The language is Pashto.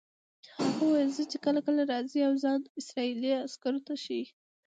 هغه وویل چې کله کله راځي او ځان اسرائیلي عسکرو ته ښیي.